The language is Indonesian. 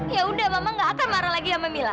ya udah mama gak akan marah lagi sama mila